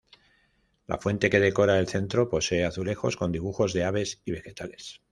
La fuente que decora el centro posee azulejos con dibujos de aves y vegetales.